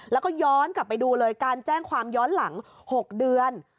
แล้วก็ย้อนกลับไปดูเลยการแจ้งความย้อนหลัง๖เดือน